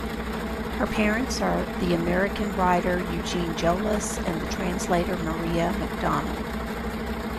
Her parents are the American writer Eugene Jolas and the translator Maria McDonald.